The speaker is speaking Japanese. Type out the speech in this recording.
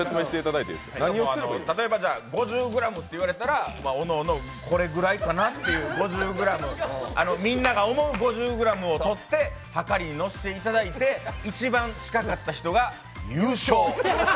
例えば５０ｇと言われたらおのおのこれくらいかなと、みんなが思う５０ｇをとってはかりに乗せていただいて優勝！